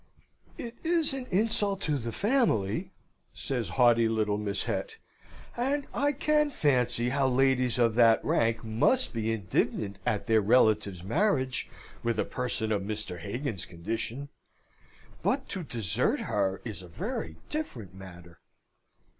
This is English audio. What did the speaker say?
"It is an insult to the family," says haughty little Miss Hett; "and I can fancy how ladies of that rank must be indignant at their relative's marriage with a person of Mr. Hagan's condition; but to desert her is a very different matter."